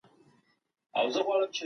خلکو د وېرې له امله چوپتیا غوره کړه.